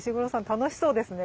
楽しそうですね